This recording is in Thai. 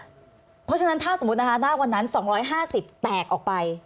เพราะฉะนั้นถ้าสมมุตินะคะณวันนั้น๒๕๐แตกออกไป